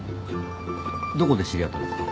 どこで知り合ったんですか？